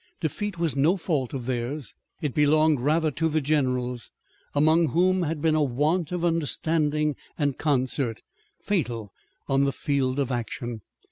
Defeat was no fault of theirs. It belonged rather to the generals, among whom had been a want of understanding and concert, fatal on the field of action.